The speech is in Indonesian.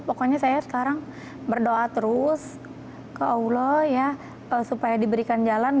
pokoknya saya sekarang berdoa terus ke allah ya supaya diberikan jalan